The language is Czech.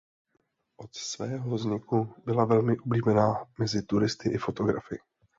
Od svého vzniku byla velmi oblíbená mezi turisty i fotografy.